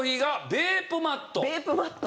ベープマット。